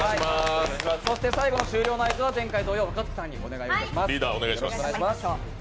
最後の終了の合図は前回同様若槻さんにお願いします。